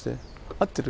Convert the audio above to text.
合ってる？